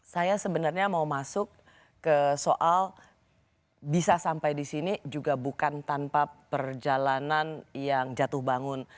saya sebenarnya mau masuk ke soal bisa sampai di sini juga bukan tanpa perjalanan yang jatuh bangun